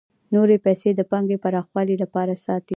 نورې پیسې د پانګې پراخوالي لپاره ساتي